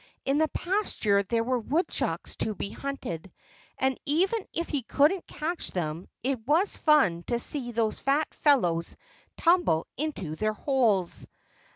In the pasture there were woodchucks to be hunted; and even if he couldn't catch them it was fun to see those fat fellows tumble into their holes.